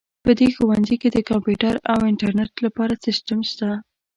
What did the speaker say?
په دې ښوونځي کې د کمپیوټر او انټرنیټ لپاره سیسټم شته